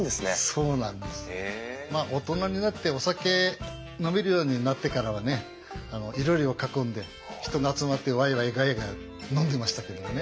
まあ大人になってお酒飲めるようになってからはねいろりを囲んで人が集まってワイワイガヤガヤ飲んでましたけどもね。